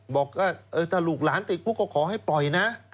บอกว่าถ้าลูกหลานติดปุ๊บก็ขอให้ปล่อยนะ